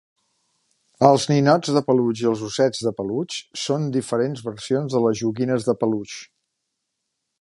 Els ninots de peluix i els ossets de peluix són diferents versions de les joguines de peluix.